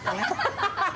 ハハハ！